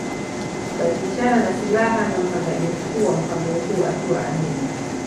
kubadilishana na silaha na mpangaji mkuu wa mpango huu akiwa Amin